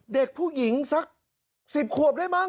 เด็กผู้หญิงสัก๑๐ขวบได้มั้